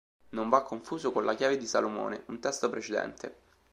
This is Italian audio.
Non va confuso con la "Chiave di Salomone", un testo precedente.